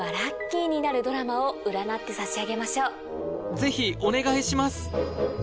ぜひお願いします